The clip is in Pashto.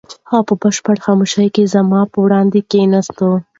هغه په بشپړه خاموشۍ کې زما په وړاندې کښېناسته.